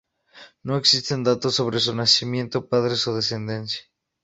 No existen datos sobre su nacimiento, padres o descendencia.